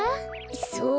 そう？